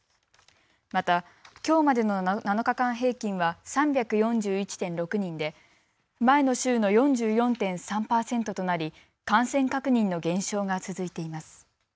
また、きょうまでの７日間平均は３４１．６人で前の週の４４．３％となり感染確認の減少が続いています。